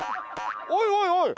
おいおいおい！